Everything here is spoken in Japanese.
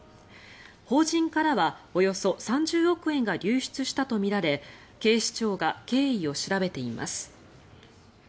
法人からはおよそ３０億円が流出したとみられ警視庁が経緯を調べています。